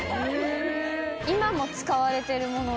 ・今も使われてるもの